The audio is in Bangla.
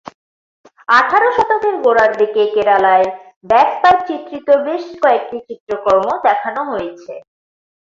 আঠারো শতকের গোড়ার দিকে কেরালায় ব্যাগ পাইপ চিত্রিত বেশ কয়েকটি চিত্রকর্ম দেখানো হয়েছে।